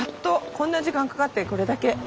こんな時間かかってこれだけ。